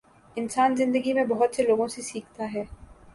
انسان زندگی میں بہت سے لوگوں سے سیکھتا ہے